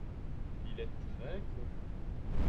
Il est très connu.